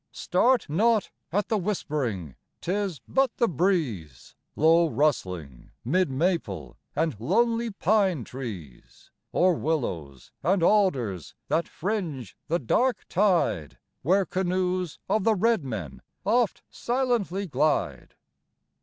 Start not at the whispering, 'tis but the breeze, Low rustling, 'mid maple and lonely pine trees, Or willows and alders that fringe the dark tide Where canoes of the red men oft silently glide.